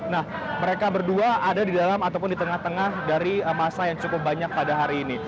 nah mereka berdua ada di dalam ataupun di tengah tengah dari masa yang cukup banyak pada hari ini